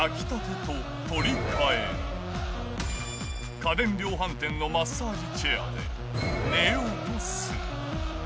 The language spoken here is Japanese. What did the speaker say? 家電量販店のマッサージチェアで寝ようとする。